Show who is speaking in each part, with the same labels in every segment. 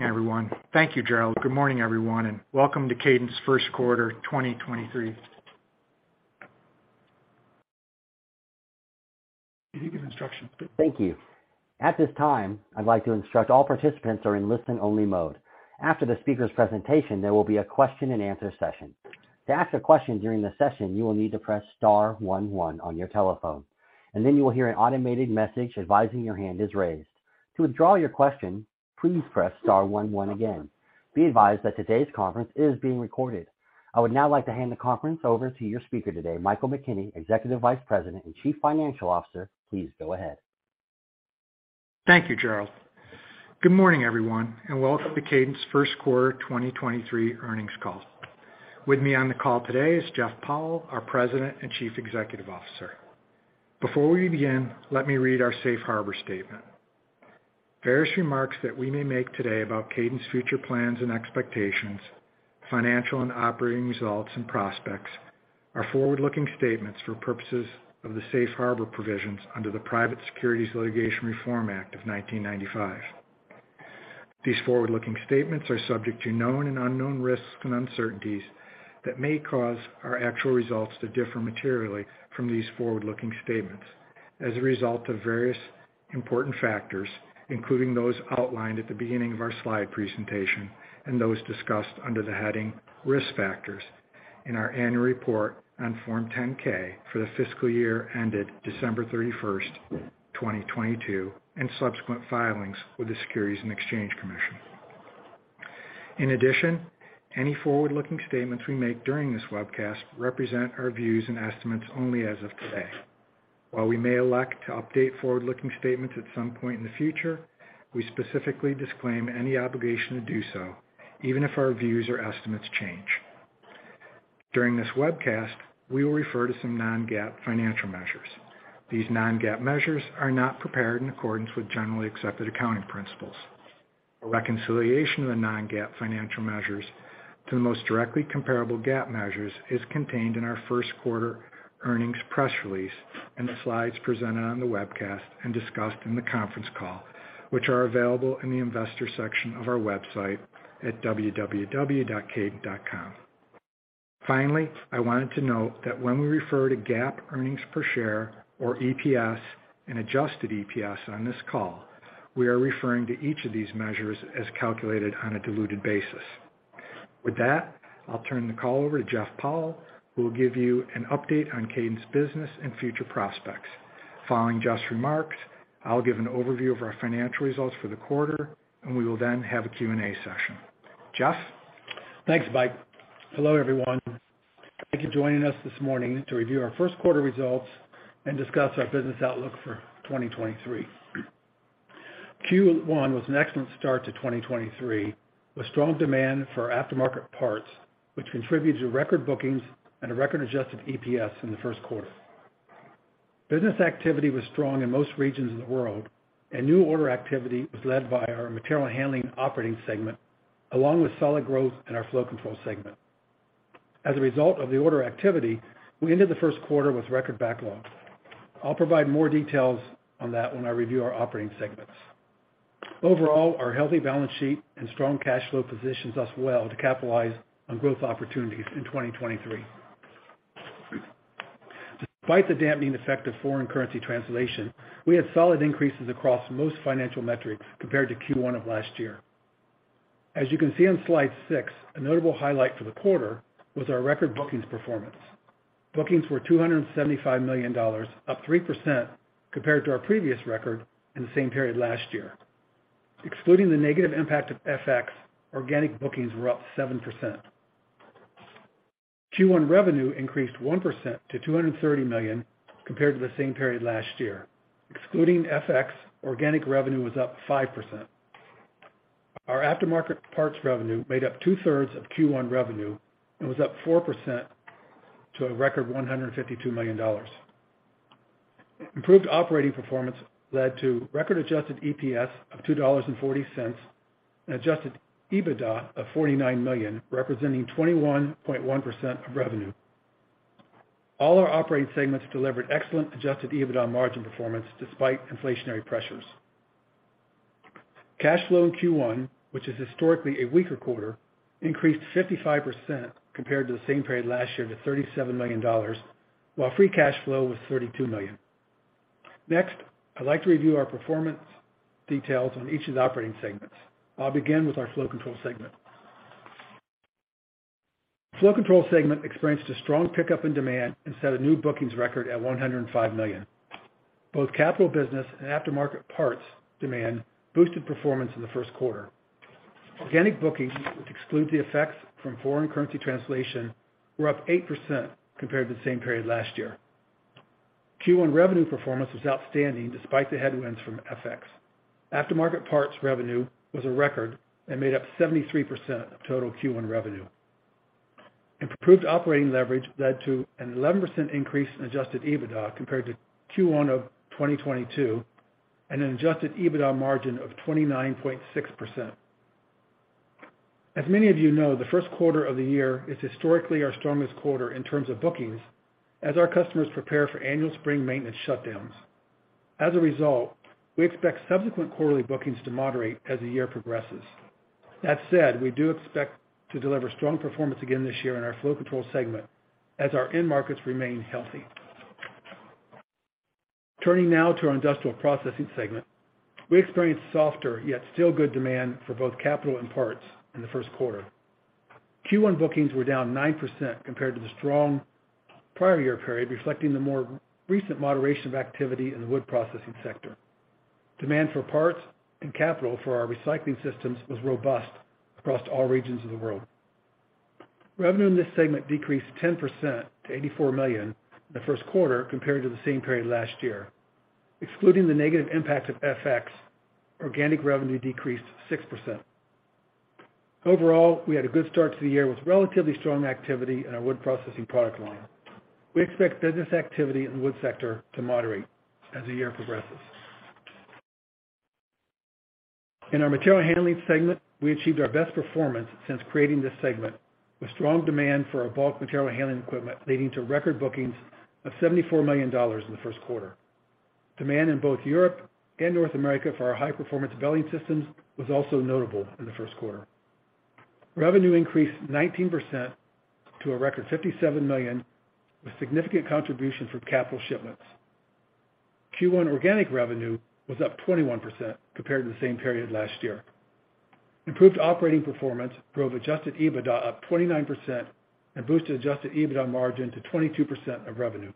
Speaker 1: Thank you. At this time, I'd like to instruct all participants are in listen-only mode. After the speaker's presentation, there will be a question-and-answer session. To ask a question during the session, you will need to press star one one on your telephone, and then you will hear an automated message advising your hand is raised. To withdraw your question, please press star one one again. Be advised that today's conference is being recorded. I would now like to hand the conference over to your speaker today, Michael McKenney, Executive Vice President and Chief Financial Officer. Please go ahead.
Speaker 2: Thank you, Gerald. Good morning, everyone, and welcome to Kadant's first quarter 2023 earnings call. With me on the call today is Jeff Powell, our President and Chief Executive Officer. Before we begin, let me read our safe harbor statement. Various remarks that we may make today about Kadant's future plans and expectations, financial and operating results and prospects are forward-looking statements for purposes of the safe harbor provisions under the Private Securities Litigation Reform Act of 1995. These forward-looking statements are subject to known and unknown risks and uncertainties that may cause our actual results to differ materially from these forward-looking statements as a result of various important factors, including those outlined at the beginning of our slide presentation and those discussed under the heading Risk Factors in our Annual Report on Form 10-K for the fiscal year ended December 31, 2022, and subsequent filings with the Securities and Exchange Commission. Any forward-looking statements we make during this webcast represent our views and estimates only as of today. While we may elect to update forward-looking statements at some point in the future, we specifically disclaim any obligation to do so, even if our views or estimates change. During this webcast, we will refer to some non-GAAP financial measures. These non-GAAP measures are not prepared in accordance with generally accepted accounting principles. A reconciliation of the non-GAAP financial measures to the most directly comparable GAAP measures is contained in our first quarter earnings press release and the slides presented on the webcast and discussed in the conference call, which are available in the Investors section of our website at www.kadant.com. Finally, I wanted to note that when we refer to GAAP earnings per share or EPS and adjusted EPS on this call, we are referring to each of these measures as calculated on a diluted basis. With that, I'll turn the call over to Jeff Powell, who will give you an update on Kadant's business and future prospects. Following Jeff's remarks, I'll give an overview of our financial results for the quarter, and we will then have a Q&A session. Jeff?
Speaker 3: Thanks, Mike. Hello, everyone. Thank you for joining us this morning to review our first quarter results and discuss our business outlook for 2023. Q1 was an excellent start to 2023, with strong demand for aftermarket parts, which contributed to record bookings and a record adjusted EPS in the first quarter. Business activity was strong in most regions of the world, and new order activity was led by our Material Handling operating segment, along with solid growth in our Flow Control segment. As a result of the order activity, we ended the first quarter with record backlogs. I'll provide more details on that when I review our operating segments. Overall, our healthy balance sheet and strong cash flow positions us well to capitalize on growth opportunities in 2023. Despite the dampening effect of foreign currency translation, we had solid increases across most financial metrics compared to Q1 of last year. As you can see on slide 6, a notable highlight for the quarter was our record bookings performance. Bookings were $275 million, up 3% compared to our previous record in the same period last year. Excluding the negative impact of FX, organic bookings were up 7%. Q1 revenue increased 1% to $230 million compared to the same period last year. Excluding FX, organic revenue was up 5%. Our aftermarket parts revenue made up two-thirds of Q1 revenue and was up 4% to a record $152 million. Improved operating performance led to record adjusted EPS of $2.40 and adjusted EBITDA of $49 million, representing 21.1% of revenue. All our operating segments delivered excellent adjusted EBITDA margin performance despite inflationary pressures. Cash flow in Q1, which is historically a weaker quarter, increased 55% compared to the same period last year to $37 million, while free cash flow was $32 million. I'd like to review our performance details on each of the operating segments. I'll begin with our Flow Control segment. Flow Control segment experienced a strong pickup in demand and set a new bookings record at $105 million. Both capital business and aftermarket parts demand boosted performance in the first quarter. Organic bookings, which exclude the effects from foreign currency translation, were up 8% compared to the same period last year. Q1 revenue performance was outstanding despite the headwinds from FX. Aftermarket parts revenue was a record and made up 73% of total Q1 revenue. Improved operating leverage led to an 11% increase in adjusted EBITDA compared to Q1 of 2022 and an adjusted EBITDA margin of 29.6%. As many of you know, the first quarter of the year is historically our strongest quarter in terms of bookings as our customers prepare for annual spring maintenance shutdowns. We expect subsequent quarterly bookings to moderate as the year progresses. We do expect to deliver strong performance again this year in our Flow Control segment as our end markets remain healthy. Turning now to our Industrial Processing segment. We experienced softer yet still good demand for both capital and parts in the first quarter. Q1 bookings were down 9% compared to the strong prior year period, reflecting the more recent moderation of activity in the wood processing sector. Demand for parts and capital for our recycling systems was robust across all regions of the world. Revenue in this segment decreased 10% to $84 million in the first quarter compared to the same period last year. Excluding the negative impact of FX, organic revenue decreased 6%. Overall, we had a good start to the year with relatively strong activity in our wood processing product line. We expect business activity in the wood sector to moderate as the year progresses. In our Material Handling segment, we achieved our best performance since creating this segment, with strong demand for our bulk material handling equipment, leading to record bookings of $74 million in the first quarter. Demand in both Europe and North America for our high-performance belting systems was also notable in the first quarter. Revenue increased 19% to a record $57 million, with significant contribution from capital shipments. Q1 organic revenue was up 21% compared to the same period last year. Improved operating performance drove adjusted EBITDA up 29% and boosted adjusted EBITDA margin to 22% of revenue.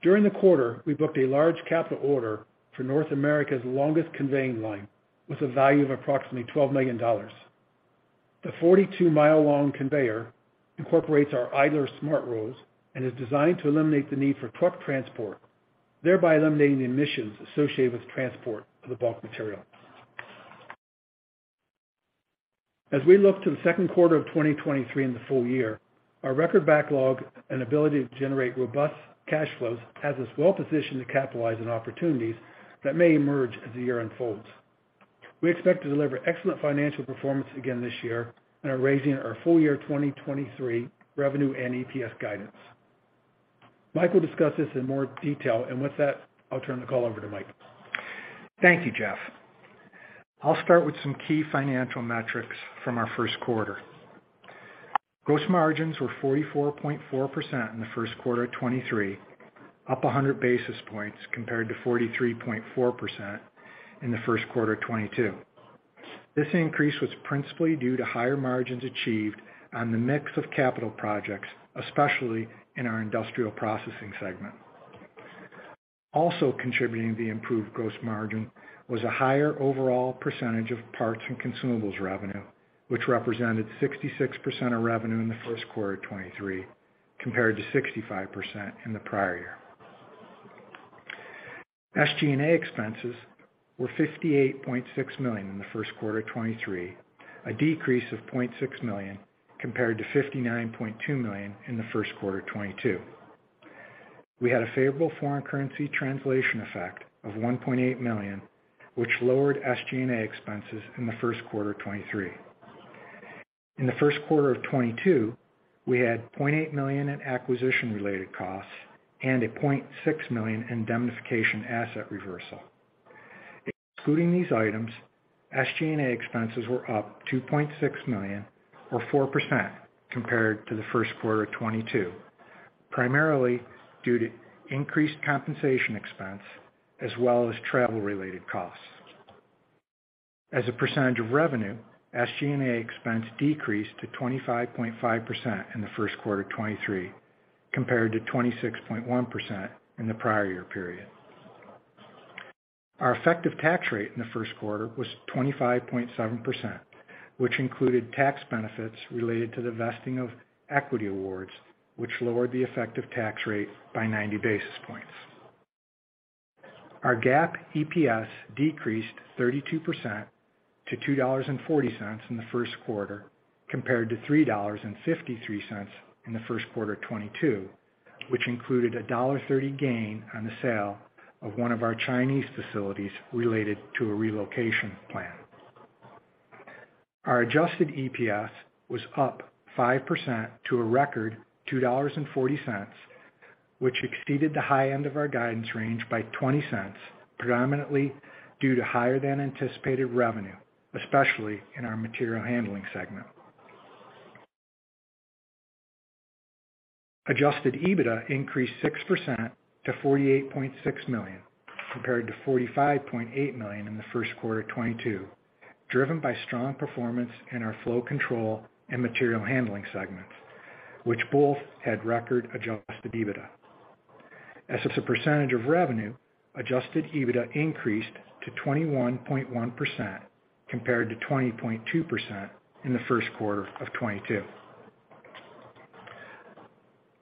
Speaker 3: During the quarter, we booked a large capital order for North America's longest conveying line with a value of approximately $12 million. The 42 mile long conveyor incorporates our idler SmartRolls and is designed to eliminate the need for truck transport, thereby eliminating the emissions associated with transport of the bulk material. As we look to the second quarter of 2023 and the full year, our record backlog and ability to generate robust cash flows has us well positioned to capitalize on opportunities that may emerge as the year unfolds. We expect to deliver excellent financial performance again this year and are raising our full year 2023 revenue and EPS guidance. Mike will discuss this in more detail. With that, I'll turn the call over to Mike.
Speaker 2: Thank you, Jeff. I'll start with some key financial metrics from our first quarter. Gross margins were 44.4% in the first quarter of 2023, up 100 basis points compared to 43.4% in the first quarter of 2022. This increase was principally due to higher margins achieved on the mix of capital projects, especially in our Industrial Processing segment. Also contributing to the improved gross margin was a higher overall percentage of parts and consumables revenue, which represented 66% of revenue in the first quarter of 2023, compared to 65% in the prior year. SG&A expenses were $58.6 million in the first quarter of 2023, a decrease of $0.6 million compared to $59.2 million in the first quarter of 2022. We had a favorable foreign currency translation effect of $1.8 million, which lowered SG&A expenses in the first quarter of 2023. In the first quarter of 2022, we had $0.8 million in acquisition related costs and a $0.6 million indemnification asset reversal. Excluding these items, SG&A expenses were up $2.6 million or 4% compared to the first quarter of 2022, primarily due to increased compensation expense as well as travel related costs. As a percentage of revenue, SG&A expense decreased to 25.5% in the first quarter of 2023, compared to 26.1% in the prior year eriod. Our effective tax rate in the first quarter was 25.7%, which included tax benefits related to the vesting of equity awards, which lowered the effective tax rate by 90 basis points. Our GAAP EPS decreased 32% to $2.40 in the first quarter, compared to $3.53 in the first quarter of 2022, which included a $1.30 gain on the sale of one of our Chinese facilities related to a relocation plan. Our adjusted EPS was up 5% to a record $2.40, which exceeded the high end of our guidance range by $0.20, predominantly due to higher than anticipated revenue, especially in our Material Handling segment. Adjusted EBITDA increased 6% to $48.6 million, compared to $45.8 million in the first quarter of 2022, driven by strong performance in our Flow Control and Material Handling segments, which both had record adjusted EBITDA. As a percentage of revenue, adjusted EBITDA increased to 21.1% compared to 20.2% in the first quarter of 2022.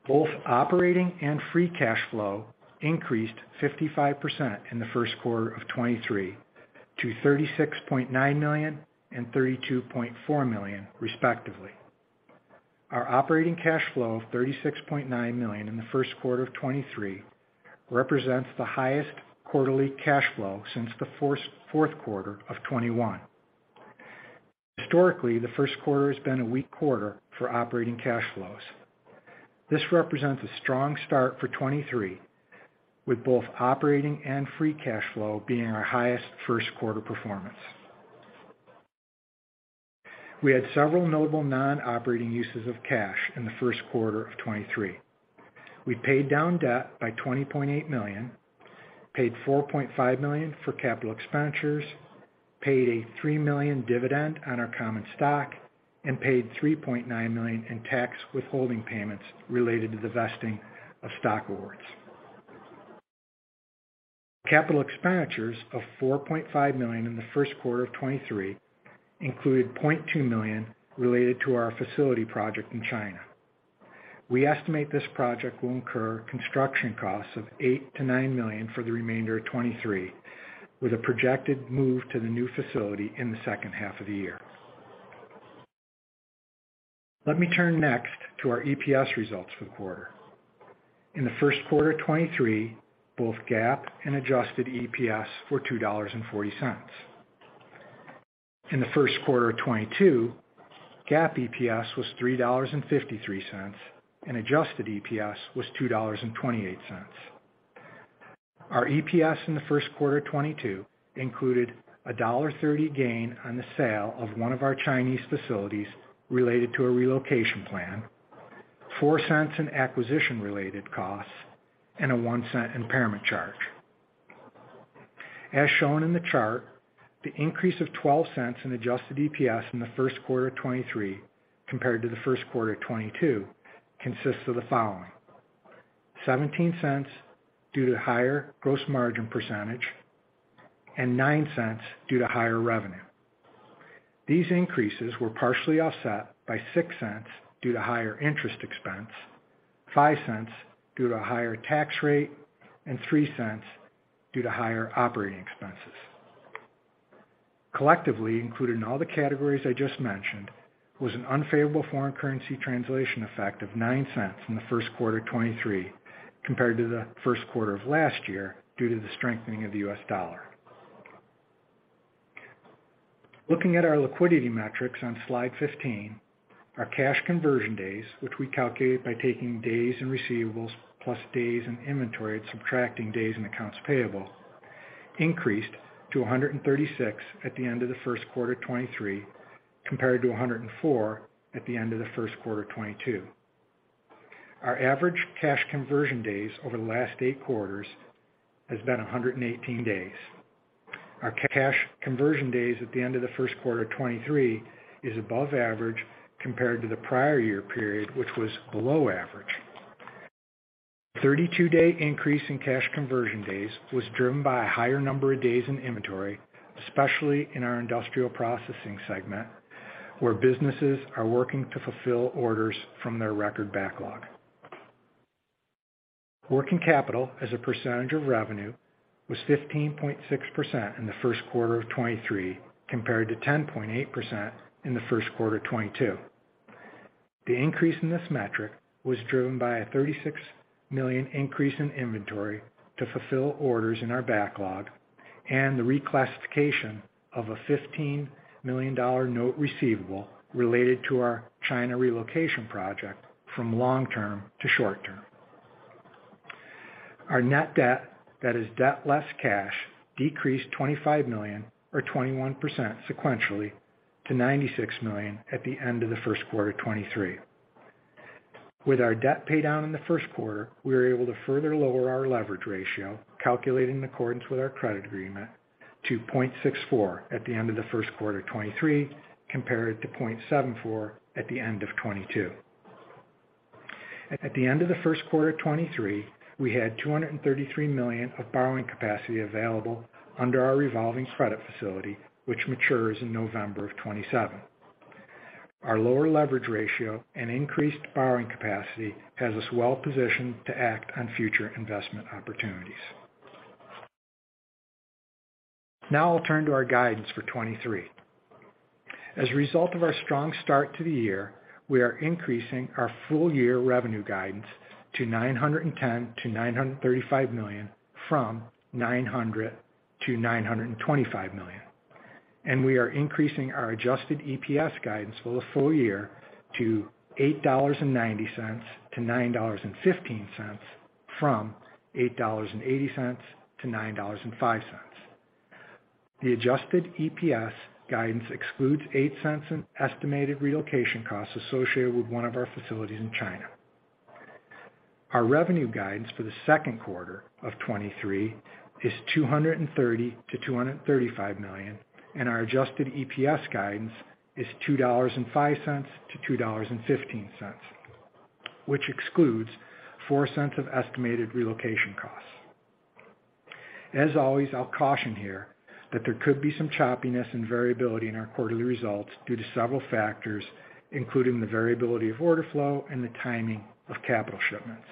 Speaker 2: Both operating and free cash flow increased 55% in the first quarter of 2023 to $36.9 million and $32.4 million respectively. Our operating cash flow of $36.9 million in the first quarter of 2023 represents the highest quarterly cash flow since the fourth quarter of 2021. Historically, the first quarter has been a weak quarter for operating cash flows. This represents a strong start for 2023, with both operating and free cash flow being our highest first quarter performance. We had several notable non-operating uses of cash in the first quarter of 2023. We paid down debt by $20.8 million, paid $4.5 million for capital expenditures, paid a $3 million dividend on our common stock, and paid $3.9 million in tax withholding payments related to the vesting of stock awards. Capital expenditures of $4.5 million in the first quarter of 2023 included $0.2 million related to our facility project in China. We estimate this project will incur construction costs of $8 million-$9 million for the remainder of 2023, with a projected move to the new facility in the second half of the year. Let me turn next to our EPS results for the quarter. In the first quarter of 2023, both GAAP and adjusted EPS were $2.40. In the first quarter of 2022, GAAP EPS was $3.53, and adjusted EPS was $2.28. Our EPS in the first quarter of 2022 included a $1.30 gain on the sale of one of our Chinese facilities related to a relocation plan, $0.04 in acquisition-related costs, and a $0.01 impairment charge. As shown in the chart, the increase of $0.12 in adjusted EPS in the first quarter of 2023 compared to the first quarter of 2022 consists of the following: $0.17 due to higher gross margin percentage and $0.09 due to higher revenue. These increases were partially offset by $0.06 due to higher interest expense, $0.05 due to higher tax rate, and $0.03 due to higher operating expenses. Collectively, included in all the categories I just mentioned, was an unfavorable foreign currency translation effect of $0.09 in the first quarter of 2023 compared to the first quarter of last year due to the strengthening of the US dollar. Looking at our liquidity metrics on slide 15, our cash conversion days, which we calculate by taking days and receivables plus days in inventory and subtracting days in accounts payable, increased to 136 at the end of the first quarter of 2023, compared to 104 at the end of the first quarter of 2022. Our average cash conversion days over the last eight quarters has been 118 days. Our cash conversion days at the end of the first quarter of 2023 is above average compared to the prior year period, which was below average. 32 day increase in cash conversion days was driven by a higher number of days in inventory, especially in our Industrial Processing segment, where businesses are working to fulfill orders from their record backlog. Working capital as a percentage of revenue was 15.6% in the first quarter of 2023, compared to 10.8% in the first quarter of 2022. The increase in this metric was driven by a $36 million increase in inventory to fulfill orders in our backlog and the reclassification of a $15 million note receivable related to our China relocation project from long-term to short-term. Our net debt, that is debt less cash, decreased $25 million or 21% sequentially to $96 million at the end of the first quarter of 2023. With our debt pay down in the first quarter, we were able to further lower our leverage ratio, calculating in accordance with our credit agreement to 0.64 at the end of the first quarter of 2023, compared to 0.74 at the end of 2022. At the end of the first quarter of 2023, we had $233 million of borrowing capacity available under our revolving credit facility, which matures in November of 2027. Our lower leverage ratio and increased borrowing capacity has us well positioned to act on future investment opportunities. I'll turn to our guidance for 2023. As a result of our strong start to the year, we are increasing our full year revenue guidance to $910 million-$935 million from $900 million-$925 million. We are increasing our adjusted EPS guidance for the full year to $8.90-$9.15 from $8.80-$9.05. The adjusted EPS guidance excludes $0.08 in estimated relocation costs associated with one of our facilities in China. Our revenue guidance for the second quarter of 2023 is $230 million-$235 million, and our adjusted EPS guidance is $2.05-$2.15, which excludes $0.04 of estimated relocation costs. As always, I'll caution here that there could be some choppiness and variability in our quarterly results due to several factors, including the variability of order flow and the timing of capital shipments.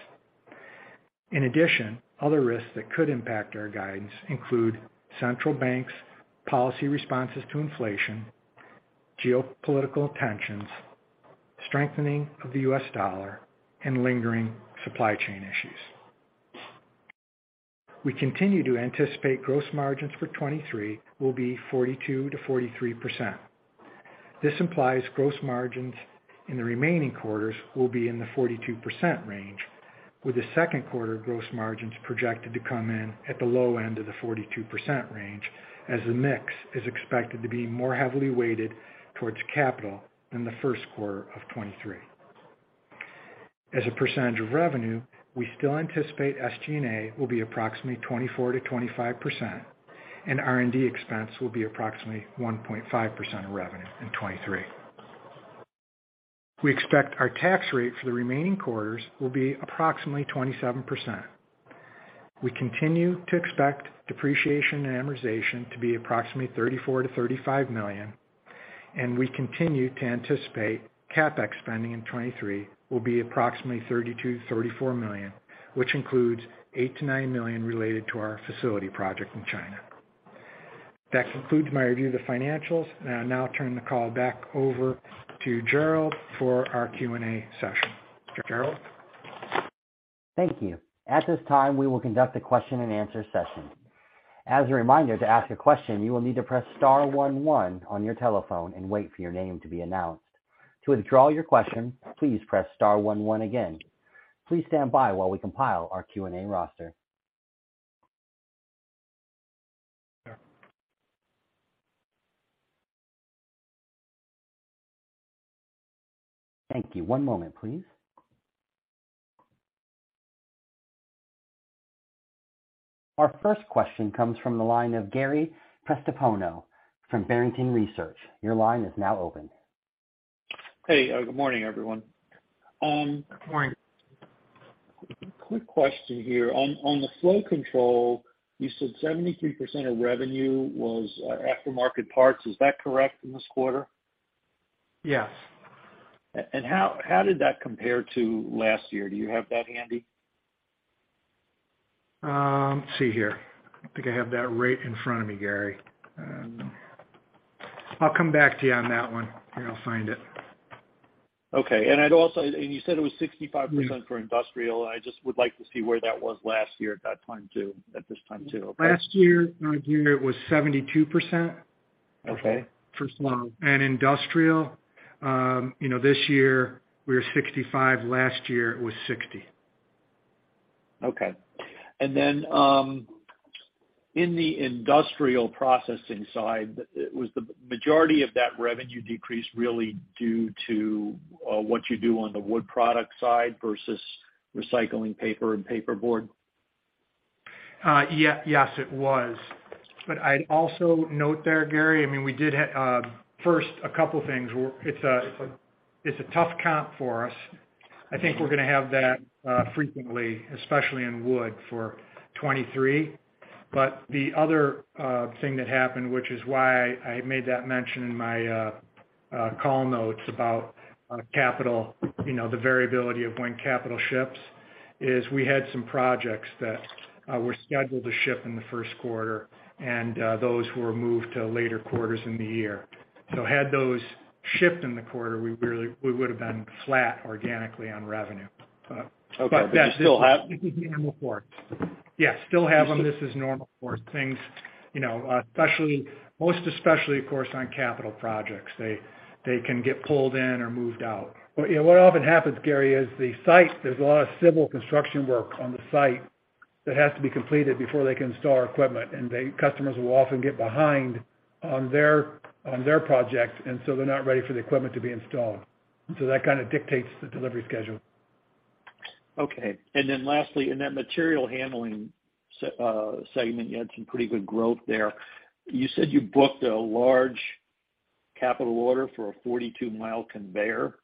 Speaker 2: Other risks that could impact our guidance include central banks policy responses to inflation, geopolitical tensions, strengthening of the U.S. dollar, and lingering supply chain issues. We continue to anticipate gross margins for 2023 will be 42%-43%. This implies gross margins in the remaining quarters will be in the 42% range, with the second quarter gross margins projected to come in at the low end of the 42% range, as the mix is expected to be more heavily weighted towards capital than the first quarter of 2023. As a percentage of revenue, we still anticipate SG&A will be approximately 24%-25%, and R&D expense will be approximately 1.5% of revenue in 2023. We expect our tax rate for the remaining quarters will be approximately 27%. We continue to expect depreciation and amortization to be approximately $34 million-$35 million, and we continue to anticipate CapEx spending in 2023 will be approximately $32 million-$34 million, which includes $8 million-$9 million related to our facility project in China. That concludes my review of the financials. I now turn the call back over to Gerald for our Q&A session. Gerald?
Speaker 1: Thank you. At this time, we will conduct a question-and-answer session. As a reminder, to ask a question, you will need to press star one one on your telephone and wait for your name to be announced. To withdraw your question, please press star one one again. Please stand by while we compile our Q&A roster. Thank you. One moment, please. Our first question comes from the line of Gary Prestopino from Barrington Research. Your line is now open.
Speaker 4: Hey, good morning, everyone.
Speaker 3: Good morning.
Speaker 4: Quick question here. On the Flow Control, you said 73% of revenue was aftermarket parts. Is that correct in this quarter?
Speaker 2: Yes.
Speaker 4: How did that compare to last year? Do you have that handy?
Speaker 2: Let's see here. I think I have that right in front of me, Gary. I'll come back to you on that one, and I'll find it.
Speaker 4: Okay. I'd also, and you said it was 65% for Industrial. I just would like to see where that was last year at this time too.
Speaker 2: Last year, it was 72%.
Speaker 4: Okay.
Speaker 2: For Flow. Industrial, you know, this year we were 65. Last year, it was 60.
Speaker 4: Okay. In the Industrial Processing side, was the majority of that revenue decrease really due to what you do on the wood product side versus recycling paper and paperboard?
Speaker 2: Yes, it was. I'd also note there, Gary, I mean, first, a couple things. It's a, it's a tough comp for us. I think we're gonna have that frequently, especially in wood, for 23. The other thing that happened, which is why I made that mention in my call notes about capital, you know, the variability of when capital ships is we had some projects that were scheduled to ship in the first quarter, and those were moved to later quarters in the year. Had those shipped in the quarter, we would have been flat organically on revenue. This is normal for us.
Speaker 4: Okay. You still have them?
Speaker 2: Yes, still have them. This is normal for things, you know, especially, most especially, of course, on capital projects. They can get pulled in or moved out. You know, what often happens, Gary, is the site, there's a lot of civil construction work on the site that has to be completed before they can install our equipment, and customers will often get behind on their project, and so they're not ready for the equipment to be installed. That kind of dictates the delivery schedule.
Speaker 4: Okay. Lastly, in that Material Handling segment, you had some pretty good growth there. You said you booked a large capital order for a 42-mile conveyor.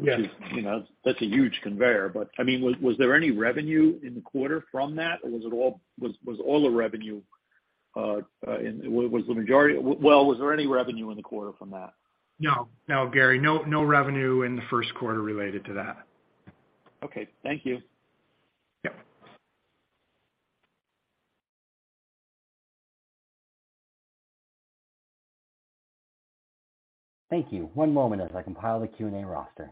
Speaker 2: Yes.
Speaker 4: You know, that's a huge conveyor. I mean, was there any revenue in the quarter from that? Well, was there any revenue in the quarter from that?
Speaker 2: No. No, Gary, no revenue in the first quarter related to that.
Speaker 4: Okay, thank you.
Speaker 2: Yep.
Speaker 1: Thank you. One moment as I compile the Q&A roster.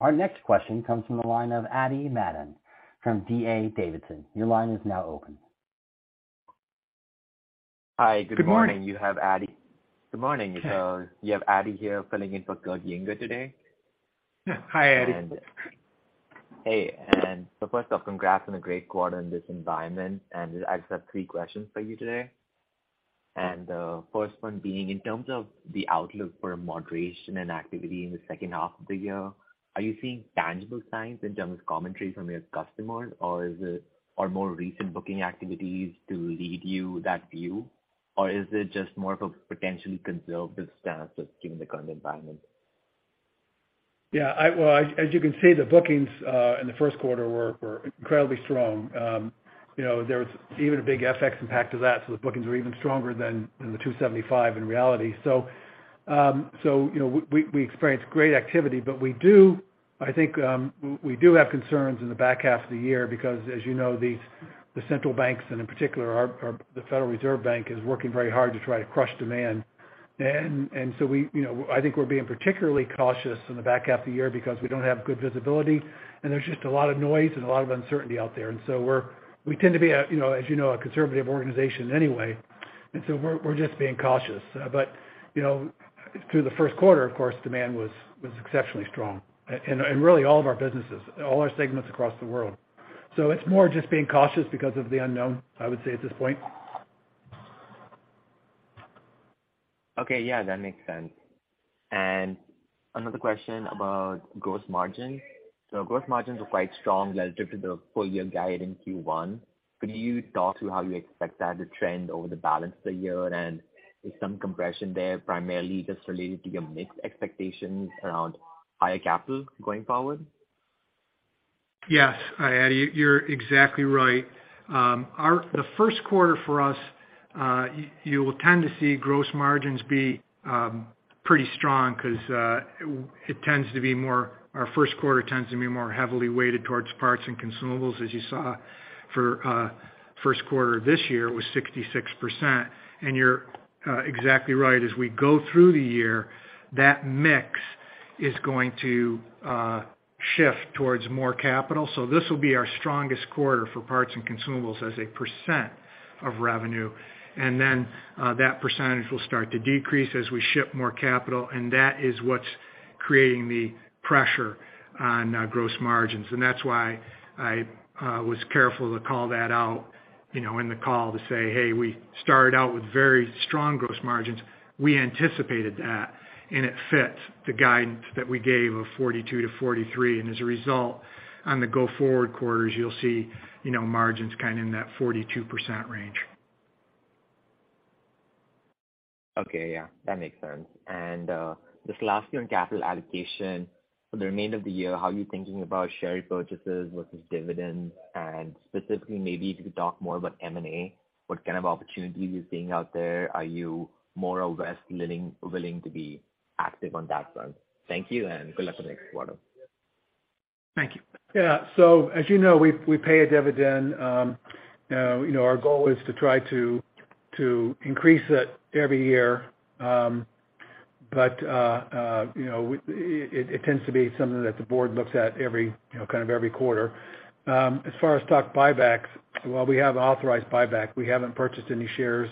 Speaker 1: Our next question comes from the line of Adi Madan from D.A. Davidson. Your line is now open.
Speaker 5: Hi, good morning.
Speaker 3: Good morning.
Speaker 5: You have Adi. Good morning.
Speaker 2: Hey.
Speaker 5: You have Adi here filling in for Kurt Yinger today.
Speaker 2: Hi, Adi.
Speaker 5: Hey. First off, congrats on a great quarter in this environment. I just have three questions for you today. First one being, in terms of the outlook for moderation and activity in the second half of the year, are you seeing tangible signs in terms of commentary from your customers, or more recent booking activities to lead you that view, or is it just more of a potentially conservative stance just given the current environment?
Speaker 3: Yeah, I, well, as you can see, the bookings in the first quarter were incredibly strong. You know, there was even a big FX impact to that, so the bookings were even stronger than $275 in reality. You know, we experienced great activity. We do, I think, we do have concerns in the back half of the year because as you know, these, the central banks, and in particular our, the Federal Reserve Bank, is working very hard to try to crush demand. We, you know, I think we're being particularly cautious in the back half of the year because we don't have good visibility, and there's just a lot of noise and a lot of uncertainty out there. We tend to be a, you know, as you know, a conservative organization anyway. We're just being cautious. You know, through the first quarter, of course, demand was exceptionally strong. Really all of our businesses, all our segments across the world. It's more just being cautious because of the unknown, I would say at this point.
Speaker 5: Okay. Yeah, that makes sense. Another question about gross margins. Gross margins are quite strong relative to the full year guide in Q1. Could you talk to how you expect that to trend over the balance of the year? Is some compression there primarily just related to your mixed expectations around higher capital going forward?
Speaker 3: Yes. Adi, you're exactly right. The first quarter for us, you will tend to see gross margins be pretty strong 'cause our first quarter tends to be more heavily weighted towards parts and consumables. As you saw for first quarter this year, it was 66%. You're exactly right. As we go through the year, that mix is going to shift towards more capital. This will be our strongest quarter for parts and consumables as a percent of revenue. That percentage will start to decrease as we ship more capital, and that is what's creating the pressure on gross margins. That's why I was careful to call that out, you know, in the call to say, "Hey, we started out with very strong gross margins." We anticipated that, and it fits the guidance that we gave of 42%-43%. As a result, on the go-forward quarters, you'll see, you know, margins kind of in that 42% range.
Speaker 5: Okay. Yeah. That makes sense. Just lastly on capital allocation. For the remainder of the year, how are you thinking about share repurchases versus dividends? Specifically, maybe if you could talk more about M&A, what kind of opportunities you're seeing out there. Are you more or less willing to be active on that front? Thank you, and good luck on the next quarter.
Speaker 3: Thank you. Yeah. As you know, we pay a dividend. Our goal is to try to increase it every year. It tends to be something that the board looks at every kind of every quarter. As far as stock buybacks, while we have authorized buyback, we haven't purchased any shares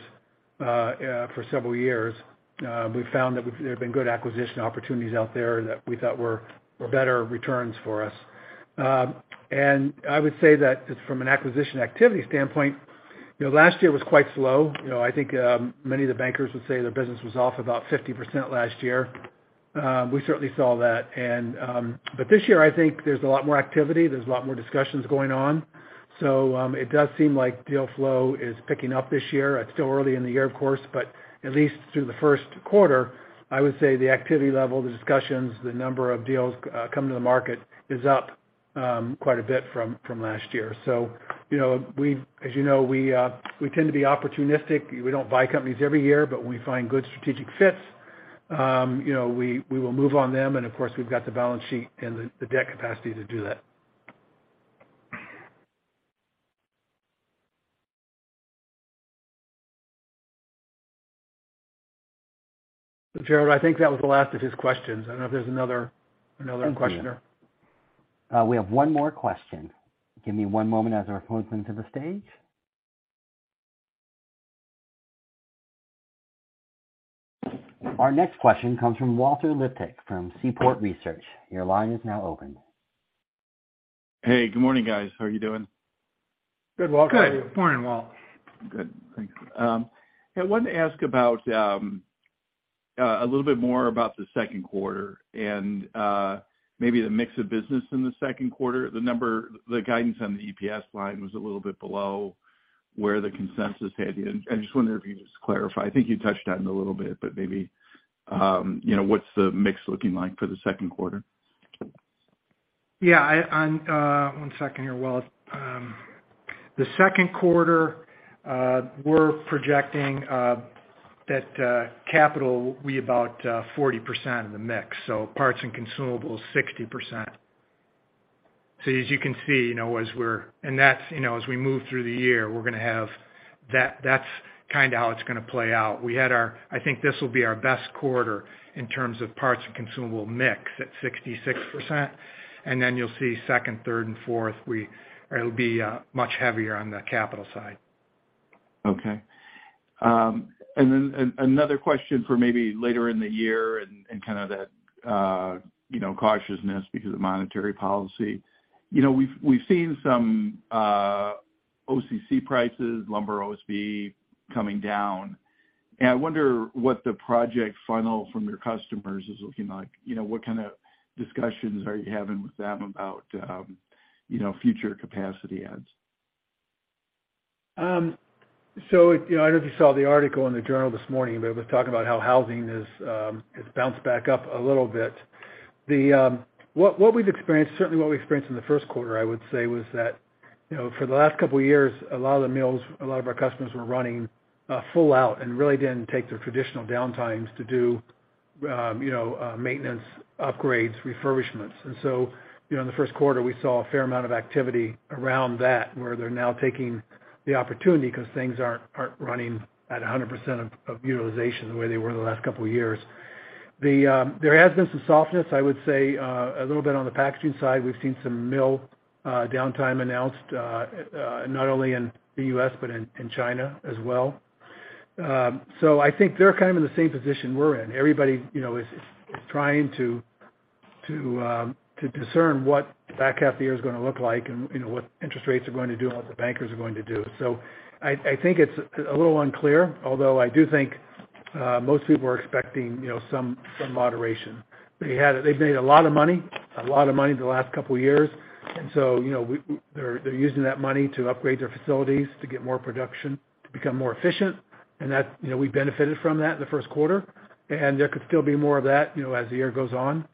Speaker 3: for several years. We found that there have been good acquisition opportunities out there that we thought were better returns for us. I would say that from an acquisition activity standpoint, last year was quite slow. I think many of the bankers would say their business was off about 50% last year. We certainly saw that. This year I think there's a lot more activity, there's a lot more discussions going on. It does seem like deal flow is picking up this year. It's still early in the year, of course, but at least through the first quarter, I would say the activity level, the discussions, the number of deals coming to the market is up quite a bit from last year. You know, as you know, we tend to be opportunistic. We don't buy companies every year, but when we find good strategic fits, you know, we will move on them, and of course, we've got the balance sheet and the debt capacity to do that. Gerald, I think that was the last of his questions. I don't know if there's another question there.
Speaker 1: We have one more question. Give me one moment as I transition to the stage. Our next question comes from Walter Liptak from Seaport Research. Your line is now open.
Speaker 6: Hey, good morning, guys. How are you doing?
Speaker 3: Good, Walter. How are you?
Speaker 5: Good morning, Walt.
Speaker 6: Good. Thanks. I wanted to ask about a little bit more about the second quarter and maybe the mix of business in the second quarter. The guidance on the EPS line was a little bit below where the consensus had you. I just wonder if you could just clarify. I think you touched on it a little bit, but maybe, you know, what's the mix looking like for the second quarter?
Speaker 3: Yeah. One second here, Walt. The second quarter, we're projecting that capital will be about 40% of the mix, so parts and consumables, 60%. As you can see, you know, that's, you know, as we move through the year, that's kind of how it's gonna play out. I think this will be our best quarter in terms of parts and consumable mix at 66%. You'll see second, third and fourth, it'll be much heavier on the capital side.
Speaker 6: Okay. Another question for maybe later in the year and kind of that, you know, cautiousness because of monetary policy. You know, we've seen some OCC prices, lumber OSB coming down. I wonder what the project funnel from your customers is looking like. You know, what kind of discussions are you having with them about, you know, future capacity adds?
Speaker 3: You know, I don't know if you saw the article in the journal this morning, but it was talking about how housing is has bounced back up a little bit. The what we've experienced, certainly what we experienced in the first quarter, I would say, was that, you know, for the last couple years, a lot of the mills, a lot of our customers were running full out and really didn't take their traditional downtimes to do, you know, maintenance, upgrades, refurbishments. You know, in the first quarter, we saw a fair amount of activity around that, where they're now taking the opportunity 'cause things aren't running at 100% of utilization the way they were the last couple years. The, there has been some softness, I would say, a little bit on the packaging side. We've seen some mill, downtime announced, not only in the U.S., but in China as well. I think they're kind of in the same position we're in. Everybody, you know, is trying to discern what the back half of the year is going to look like and, you know, what interest rates are going to do and what the bankers are going to do. I think it's a little unclear, although I do think most people are expecting, you know, some moderation. They've made a lot of money the last couple years, you know, they're using that money to upgrade their facilities, to get more production, to become more efficient, and that's, you know, we benefited from that in the first quarter. There could still be more of that, you know, as the year goes on.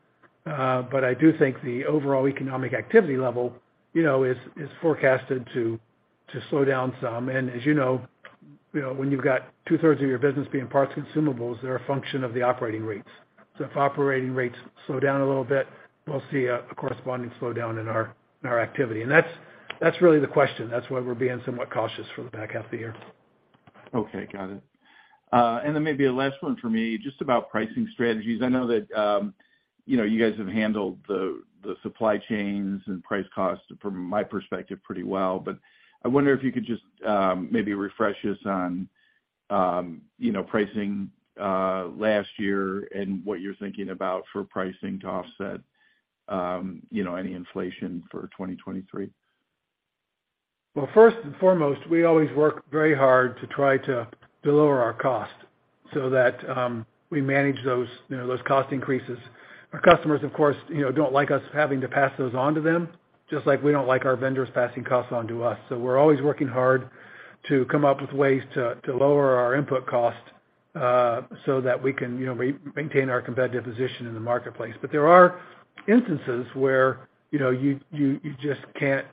Speaker 3: I do think the overall economic activity level, you know, is forecasted to slow down some. As you know, when you've got two-thirds of your business being parts consumables, they're a function of the operating rates. If operating rates slow down a little bit, we'll see a corresponding slowdown in our activity. That's really the question. That's why we're being somewhat cautious for the back half of the year.
Speaker 6: Okay, got it. Maybe a last one for me, just about pricing strategies. I know that, you know, you guys have handled the supply chains and price costs from my perspective pretty well, but I wonder if you could just, maybe refresh us on, you know, pricing, last year and what you're thinking about for pricing to offset, you know, any inflation for 2023?
Speaker 3: First and foremost, we always work very hard to try to lower our cost so that, we manage those, you know, those cost increases. Our customers, of course, you know, don't like us having to pass those on to them, just like we don't like our vendors passing costs on to us. We're always working hard to come up with ways to lower our input costs, so that we can, you know, maintain our competitive position in the marketplace. There are instances where, you know, you, you just can't,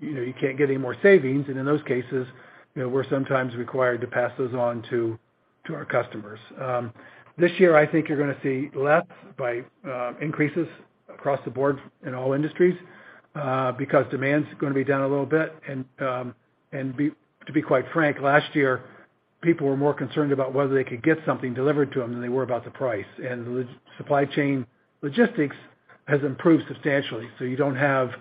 Speaker 3: you know, you can't get any more savings, and in those cases, you know, we're sometimes required to pass those on to our customers. This year, I think you're gonna see less by increases across the board in all industries, because demand's gonna be down a little bit to be quite frank, last year, people were more concerned about whether they could get something delivered to them than they were about the price. The supply chain logistics has improved substantially, so you don't have,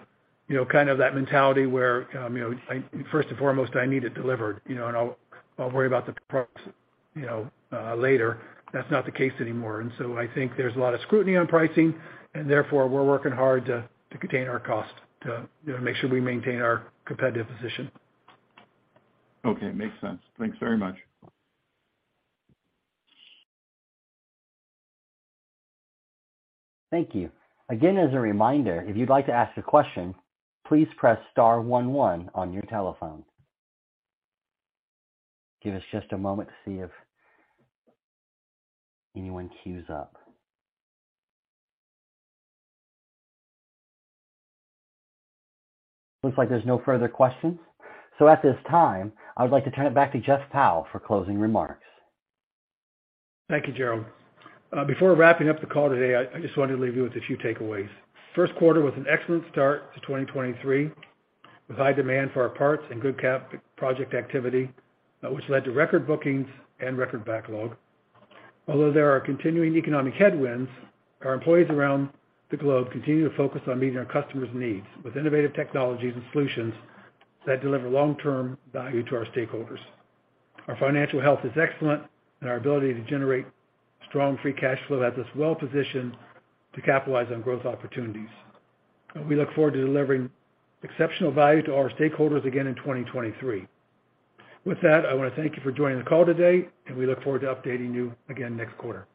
Speaker 3: you know, kind of that mentality where, you know, I, first and foremost, I need it delivered, you know, and I'll worry about the price, you know, later. That's not the case anymore. I think there's a lot of scrutiny on pricing and therefore we're working hard to contain our cost to, you know, make sure we maintain our competitive position.
Speaker 6: Okay. Makes sense. Thanks very much.
Speaker 1: Thank you. Again, as a reminder, if you'd like to ask a question, please press star one one on your telephone. Give us just a moment to see if anyone queues up. Looks like there's no further questions. At this time, I would like to turn it back to Jeff Powell for closing remarks.
Speaker 3: Thank you, Gerald. Before wrapping up the call today, I just wanted to leave you with a few takeaways. First quarter was an excellent start to 2023 with high demand for our parts and good CapEx project activity, which led to record bookings and record backlog. Although there are continuing economic headwinds, our employees around the globe continue to focus on meeting our customers' needs with innovative technologies and solutions that deliver long-term value to our stakeholders. Our financial health is excellent, and our ability to generate strong free cash flow has us well-positioned to capitalize on growth opportunities. We look forward to delivering exceptional value to our stakeholders again in 2023. With that, I wanna thank you for joining the call today, and we look forward to updating you again next quarter.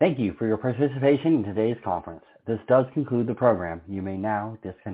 Speaker 1: Thank you for your participation in today's conference. This does conclude the program. You may now disconnect.